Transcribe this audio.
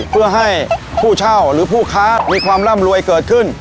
เพื่อให้ผู้เช่าหรือผู้ค้ามีความร่ำรวยเกิดขึ้น